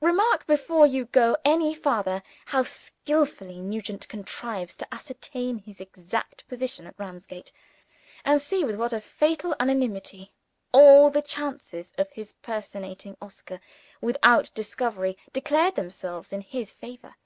Remark, before you go any farther, how skillfully Nugent contrives to ascertain his exact position at Ramsgate and see with what a fatal unanimity all the chances of his personating Oscar, without discovery, declare themselves in his favor!